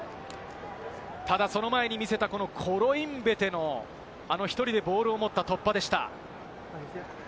ただその前に見せた、このコロインベテの１人でボールを持った突破でした。